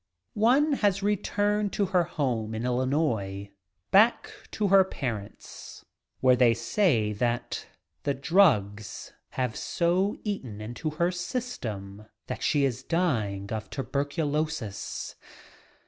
One has returned to her home in Illinois — back to her parents — where they say that the drugs have so eaten into her system that she is dying of tuber culosis.